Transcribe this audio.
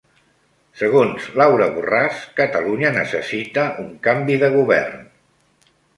Segons Laura Borràs, Catalunya necessita un canvi de govern.